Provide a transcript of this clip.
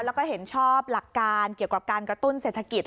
แล้วก็เห็นชอบหลักการเกี่ยวกับการกระตุ้นเศรษฐกิจ